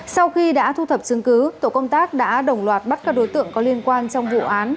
sau khi đã thu thập chứng cứ tổ công tác đã đồng loạt bắt các đối tượng có liên quan trong vụ án